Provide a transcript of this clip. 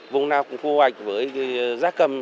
vùng nào cũng phù hợp với giá súc nào